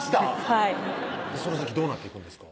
はいその先どうなっていくんですか？